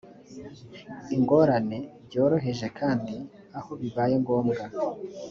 ingorane byoroheje kandi aho bibaye ngombwa